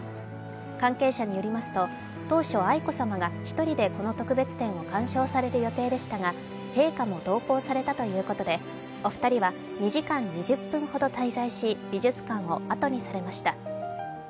関係者によりますと、当初、愛子さまが１人でこの特別展を鑑賞される予定でしたが陛下も同行されたということでお二人は２時間２０分ほど滞在し美術館をあとにされました。